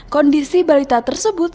kondisi balita tersebut